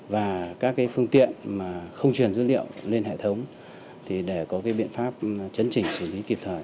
và các phương tiện không truyền dữ liệu lên hệ thống để có biện pháp chấn chỉnh xử lý kịp thời